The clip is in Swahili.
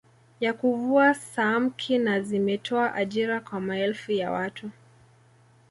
Ya kuvua saamki na zimetoa ajira kwa maelfu ya watu